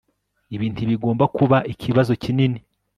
Ibi ntibigomba kuba ikibazo kinini